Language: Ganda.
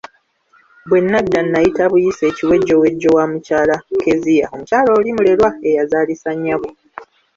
Bwe nnadda nayita buyisi ekiwejjowejjo wa mukyala Kezia omukyala oli mulerwa eyazaalisa nnyabo.